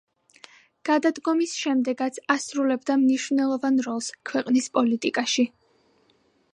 გადადგომის შემდეგაც ასრულებდა მნიშვნელოვან როლს ქვეყნის პოლიტიკაში.